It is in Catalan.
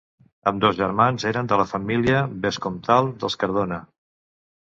Ambdós germans eren de la família vescomtal dels Cardona.